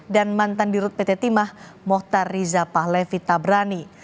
dan mantan dirut pt timah mohtar riza pahlevi tabrani